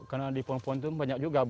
karena di pohon pohon itu banyak juga